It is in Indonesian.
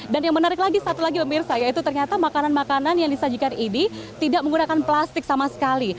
dan yang menarik lagi satu lagi pemirsa yaitu ternyata makanan makanan yang disajikan ini tidak menggunakan plastik sama sekali